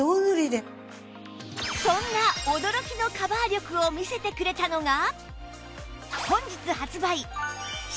そんな驚きのカバー力を見せてくれたのが